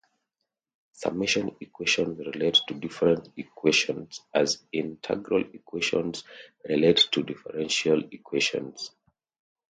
Summation equations relate to difference equations as integral equations relate to differential equations.